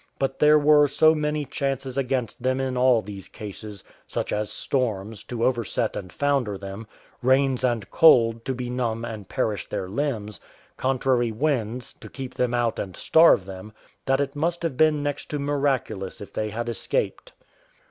But there were so many chances against them in all these cases, such as storms, to overset and founder them; rains and cold, to benumb and perish their limbs; contrary winds, to keep them out and starve them; that it must have been next to miraculous if they had escaped.